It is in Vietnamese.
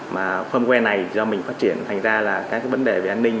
mà firmware này do mình phát triển thành ra là các cái vấn đề về an ninh